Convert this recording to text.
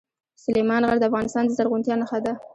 سلیمان غر د افغانستان د زرغونتیا نښه ده.